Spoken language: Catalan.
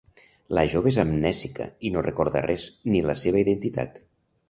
La jove és amnèsica i no recorda res, ni la seva identitat.